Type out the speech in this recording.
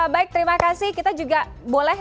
baik terima kasih kita juga boleh